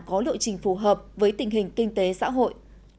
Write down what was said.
có lộ trình phù hợp với tình hình kinh tế xã hội